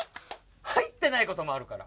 入ってないこともあるから。